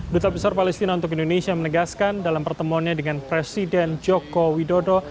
duta besar palestina untuk indonesia menegaskan dalam pertemuannya dengan presiden joko widodo